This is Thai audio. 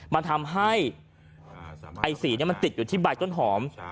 มันทำให้ไอ้สีมันติดอยู่ที่ใบต้นหอม